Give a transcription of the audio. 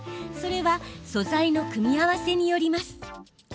それは素材の組み合わせによります。